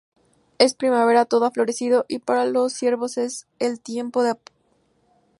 Es primavera, todo ha florecido y para los ciervos es el tiempo de aparearse.